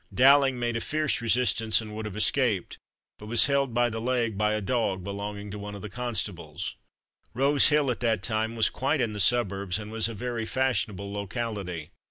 Dowling made a fierce resistance, and would have escaped, but was held by the leg by a dog belonging to one of the constables. Rose Hill at that time was quite in the suburbs, and was a very fashionable locality.